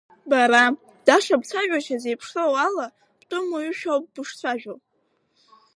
Бара, Даша бцәажәашьа зеиԥшроу ала, бтәым уаҩушәа ауп бышцәажәо.